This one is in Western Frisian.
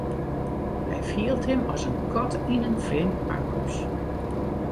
Hy fielt him as in kat yn in frjemd pakhús.